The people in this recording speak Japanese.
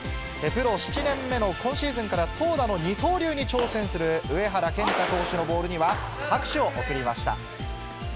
プロ７年目の今シーズンから投打の二刀流に挑戦する上原健太投手のボールには拍手を送りました。